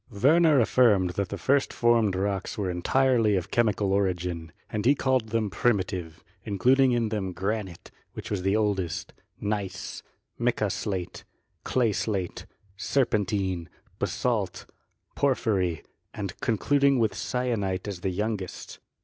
Werner affirmed that the first formed rocks were en tirely of chemical origin, and he called them Primitive, including in them granite, which was the oldest, gneiss, mica slate, clay slate, serpentine, basalt, porphyry, and concluding with syenite as the youngest.